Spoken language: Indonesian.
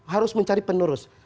harus mencari penerus